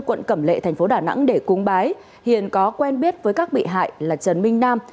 quận cẩm lệ thành phố đà nẵng để cúng bái hiền có quen biết với các bị hại là trần minh nam